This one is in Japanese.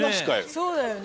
そうだよね。